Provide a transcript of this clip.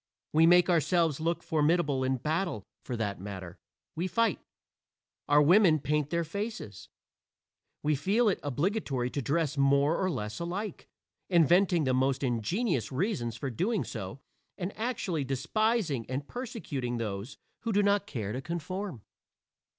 We make ourselves look formidable in battle for that matter, we fight. Our women paint their faces. We feel it obligatory to dress more or less alike, inventing the most ingenious reasons for doing so and actually despising and persecuting those who do not care to conform.